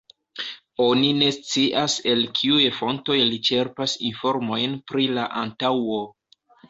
Oni ne scias el kiuj fontoj li ĉerpas informojn pri la antaŭo.